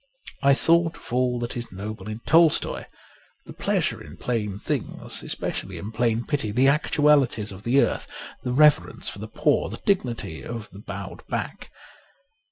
I thought of all that is noble in Tolstoy : the pleasure in plain things, especially in plain pity, the actualities of the earth, the reverence for the poor, the dignity of the bowed back.